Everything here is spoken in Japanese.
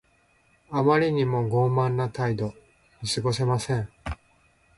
あまりにも傲慢な態度。見過ごせません。